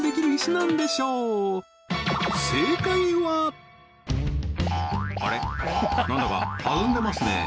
なんだか弾んでますね